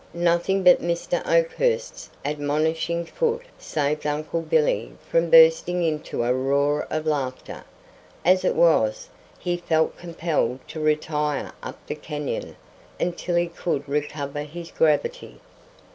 Nothing but Mr. Oakhurst's admonishing foot saved Uncle Billy from bursting into a roar of laughter. As it was, he felt compelled to retire up the canyon until he could recover his gravity.